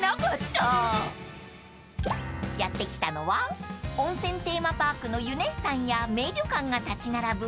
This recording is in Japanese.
［やって来たのは温泉テーマパークのユネッサンや名旅館が立ち並ぶ